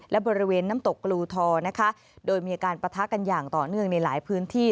และบริเวณน้ำตกกลูทอนะคะโดยมีอาการปะทะกันอย่างต่อเนื่องในหลายพื้นที่